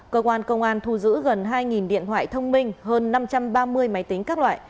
cơ quan công an thu giữ gần hai điện thoại thông minh hơn năm trăm ba mươi máy tính các loại